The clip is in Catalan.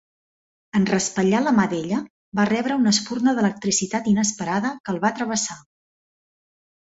En raspallar la mà d'ella, va rebre una espurna d'electricitat inesperada que el va travessar.